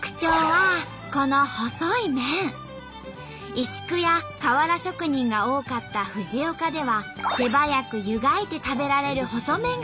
石工や瓦職人が多かった藤岡では手早く湯がいて食べられる細麺が重宝され根づいたんだって！